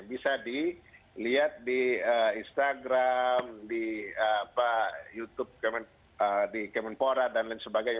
bisa dilihat di instagram di youtube di kemenpora dan lain sebagainya